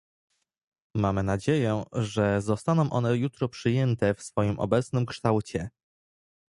Mamy nadzieję, że zostaną one jutro przyjęte w swoim obecnym kształcie